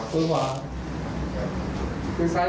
มือไหนมือไหน